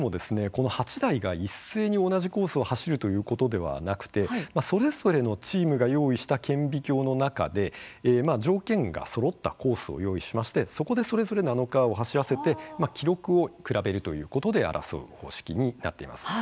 この８台が一斉に同じコースを走るということではなくてそれぞれのチームが用意した顕微鏡の中で条件がそろったコースを用意しましてそこで、それぞれナノカーを走らせて記録を比べるということで争う方式になっています。